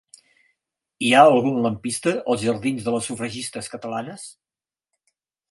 Hi ha algun lampista als jardins de les Sufragistes Catalanes?